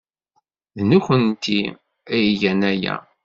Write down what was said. D nekkenti ay igan aya.